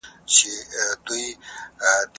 اقتصادي تعاون د بې وزلۍ مخه نیسي.